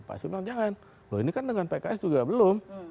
pak s b bilang jangan loh ini kan dengan pks juga belum